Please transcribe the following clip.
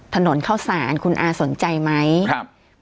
ถนนเข้าสารคุณอาสนใจไหมครับ